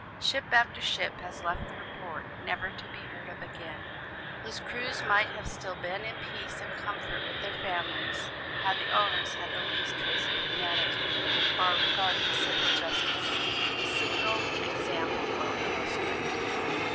Ship after ship has left her port, never to be heard of again, whose crews might have still been in peace and comfort with their families, had the owners had the least trace of humanity, or regard for simple justice. A single example will illustrate.